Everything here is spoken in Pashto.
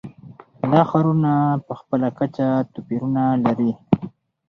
دا ښارونه په خپله کچه توپیرونه لري.